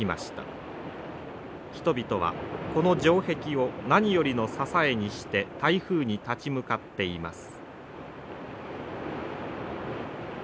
人々はこの城壁を何よりの支えにして台風に立ち向かっています。